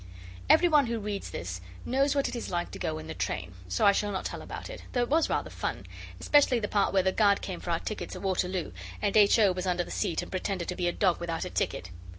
Every one who reads this knows what it is like to go in the train, so I shall not tell about it though it was rather fun, especially the part where the guard came for the tickets at Waterloo, and H. O. was under the seat and pretended to be a dog without a ticket.